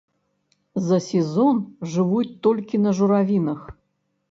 За сезон жывуць толькі на журавінах.